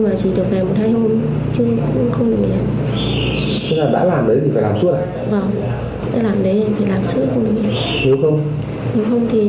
là phối hợp với công an các xã phường